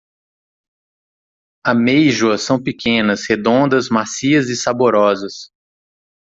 Amêijoas são pequenas, redondas, macias e saborosas.